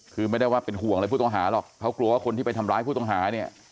คือไม่ได้ว่าเป็นห่วงอะไรผู้ต้องหาหรอกเขากลัวว่าคนที่ไปทำร้ายผู้ต้องหาเนี่ย